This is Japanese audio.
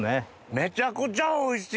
めちゃくちゃおいしい。